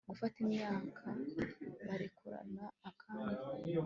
gufata imyaka! barekurana akanya